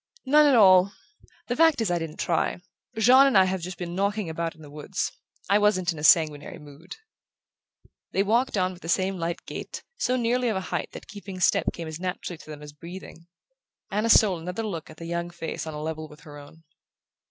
"None at all. The fact is I didn't try. Jean and I have just been knocking about in the woods. I wasn't in a sanguinary mood." They walked on with the same light gait, so nearly of a height that keeping step came as naturally to them as breathing. Anna stole another look at the young face on a level with her own.